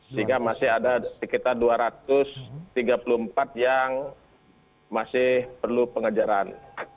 sehingga masih ada sekitar dua ratus tiga puluh empat yang masih perlu pengejaran